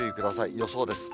予想です。